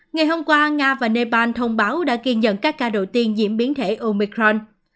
ngày hôm qua nga và nepal thông báo đã ghi nhận các ca đầu tiên nhiễm biến thể omicron